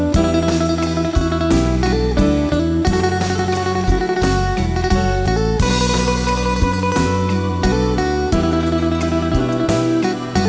คุณเก๋ฟังเลยครับ